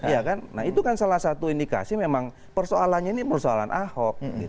iya kan nah itu kan salah satu indikasi memang persoalannya ini persoalan ahok